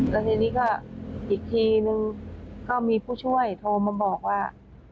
แล้วทีนี้ก็อีกทีนึงก็มีผู้ช่วยโทรมาบอกว่า